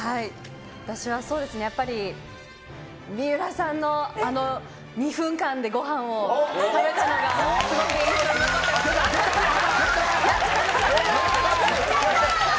私はそうですね、やっぱり、水卜さんの、あの２分間でごはんを食べたのが、すごく印象に残っやったー！